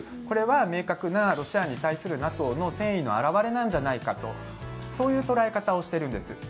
これは明確なロシアに対するＮＡＴＯの戦意の表れなんじゃないかとそういう捉え方をしているんです。